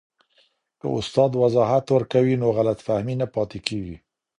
که استاد وضاحت ورکوي نو غلط فهمي نه پاته کېږي.